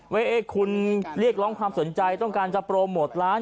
ว่าคุณเรียกร้องความสนใจต้องการจะโปรโมทร้าน